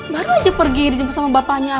baru aja pergi sama bapaknya